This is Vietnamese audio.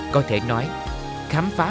có thể nói khám phá mùa nước nổi